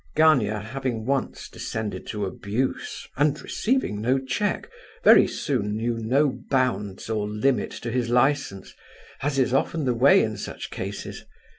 Gania having once descended to abuse, and receiving no check, very soon knew no bounds or limit to his licence, as is often the way in such cases.